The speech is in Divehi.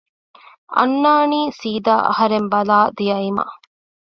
އަންނާނީ ސީދާ އަހަރެން ބަލާ ދިޔައިމަ